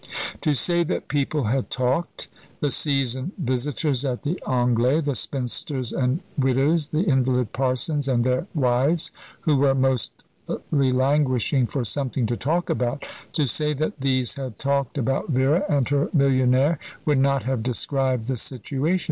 To say that people had talked the season visitors at the "Anglais," the spinsters and widows, the invalid parsons and their wives, who were mostly languishing for something to talk about to say that these had talked about Vera and her millionaire would not have described the situation.